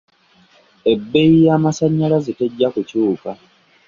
Ebbeyi y'amasanyalaze tejja kukyuuka.